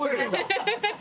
ハハハハ！